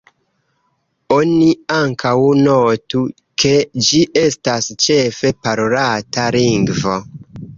Oni ankaŭ notu, ke ĝi estas ĉefe parolata lingvo.